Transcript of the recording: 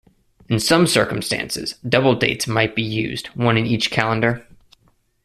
In some circumstances, double dates might be used, one in each calendar.